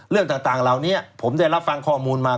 เรื่องต่างเหล่านี้ผมได้รับฟังข้อมูลมา